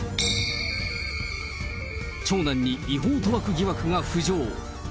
長男に違法賭博疑惑が浮上。